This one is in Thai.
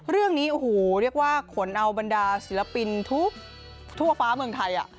เรื่องนี้โอ้โหเรียกว่าขนเอาบรรดาศิลปินทุกทั่วฟ้าเมืองไทย